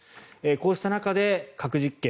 こうした中で核実験